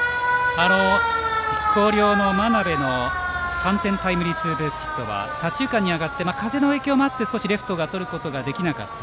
広陵の真鍋の３点タイムリーツーベースヒットは左中間に上がり風の影響もあってレフトがとることができなかった。